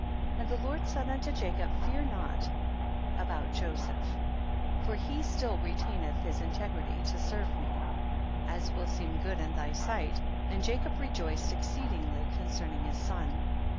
4. And the Lord said unto Jacob, fear not about Joseph, for he still re taineth his integi ity to serve me, as will seem good in thy sight, and Ja cob rejoiced exceedingly concerning his son.